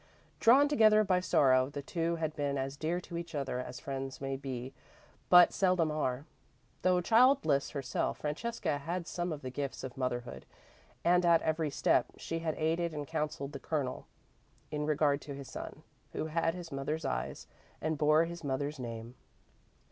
Drawn together by sorrow, the two had been as dear to each other as friends may be but seldom are. Though childless herself, Francesca had some of the gifts of motherhood, and, at every step, she had aided and counselled the Colonel in regard to his son, who had his mother's eyes and bore his mother's name.